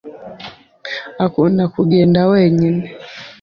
Akunda kugenda wenyine.